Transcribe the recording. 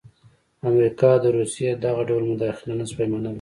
امریکا د روسیې دغه ډول مداخله نه شوای منلای.